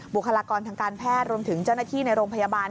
บุคลากรทางการแพทย์รวมถึงเจ้าหน้าที่ในโรงพยาบาล